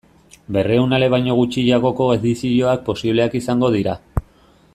Berrehun ale baino gutxiagoko edizioak posibleak izango dira.